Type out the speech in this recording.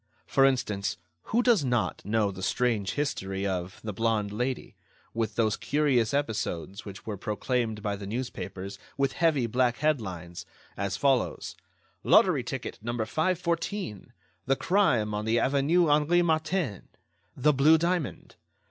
For instance, who does not know the strange history of "The Blonde Lady," with those curious episodes which were proclaimed by the newspapers with heavy black headlines, as follows: "Lottery Ticket No. 514!" ... "The Crime on the Avenue Henri Martin!" ... "The Blue Diamond!"